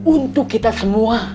untuk kita semua